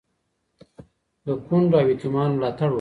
د کونډو او یتیمانو ملاتړ وکړئ.